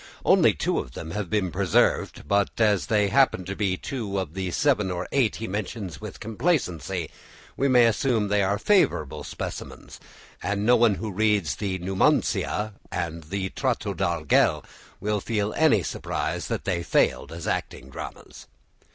Only two of them have been preserved, but as they happen to be two of the seven or eight he mentions with complacency, we may assume they are favourable specimens, and no one who reads the "Numancia" and the "Trato de Argel" will feel any surprise that they failed as acting dramas.